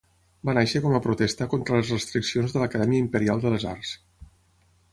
Va néixer com a protesta contra les restriccions de l'Acadèmia Imperial de les Arts.